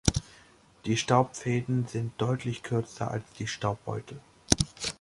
Die Staubfäden sind deutlich kürzer als die Staubbeutel.